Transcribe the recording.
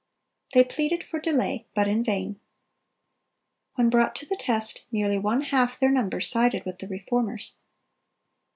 They pleaded for delay, but in vain. When brought to the test, nearly one half their number sided with the Reformers.